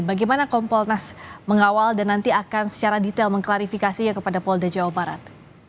bagaimana kompolnas mengawal dan nanti akan secara detail mengklarifikasinya kepada polda jawa barat